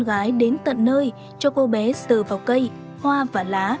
để con gái đến tận nơi cho cô bé sờ vào cây hoa và lá